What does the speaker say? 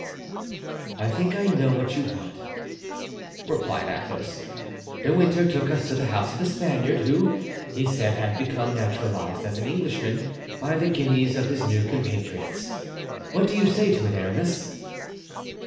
"I think I know what you want," replied Athos. "De Winter took us to the house of a Spaniard, who, he said, had become naturalized as an Englishman by the guineas of his new compatriots. What do you say to it, Aramis?"